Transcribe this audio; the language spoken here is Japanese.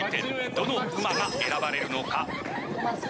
どのうまが選ばれるのか。